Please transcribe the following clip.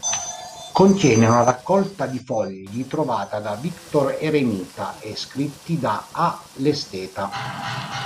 Contiene una raccolta di fogli, trovata da "Victor Eremita" e scritti da "A", l'esteta.